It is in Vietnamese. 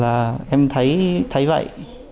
là em thấy vậy